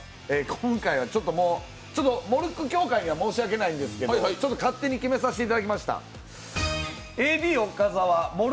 今回は、ちょっとモルック協会には申し訳ないんですけど勝手に決めさせていただきました。